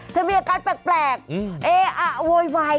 มีอาการแปลกเออะโวยวาย